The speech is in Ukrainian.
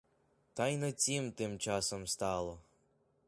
Та й на цім тим часом стало.